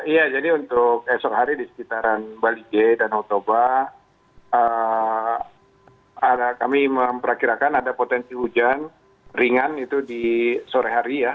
iya jadi untuk esok hari di sekitaran bali j dan otoba kami memperkirakan ada potensi hujan ringan itu di sore hari ya